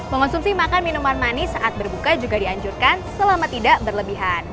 mengonsumsi makan minuman manis saat berbuka juga dianjurkan selama tidak berlebihan